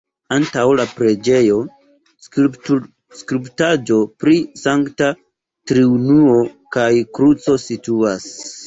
Antaŭ la preĝejo skulptaĵo pri Sankta Triunuo kaj kruco situas.